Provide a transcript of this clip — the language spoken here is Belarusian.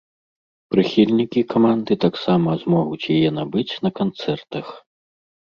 Прыхільнікі каманды таксама змогуць яе набыць на канцэртах.